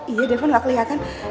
iya devon gak keliahkan